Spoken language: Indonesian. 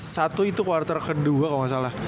satu itu quarter kedua kalo ga salah